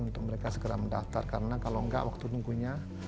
untuk mereka segera mendaftar karena kalau nggak waktu tunggunya